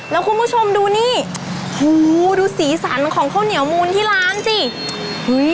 แล้วคุณผู้ชมดูนี่โหดูสีสันของข้าวเหนียวมูลที่ร้านสิเฮ้ย